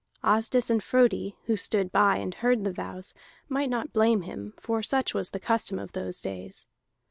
Asdis and Frodi, who stood by and heard the vows, might not blame him; for such was the custom of those days.